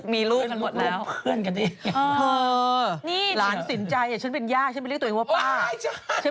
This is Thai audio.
ไม่เคยคิดว่าตัวเองจะอยู่ในโลกข้าวจนถึงมาอ่าน